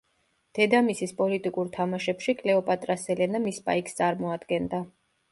დედამისის პოლიტიკურ თამაშებში კლეოპატა სელენა მის პაიკს წარმოადგენდა.